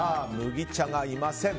麦茶がいません。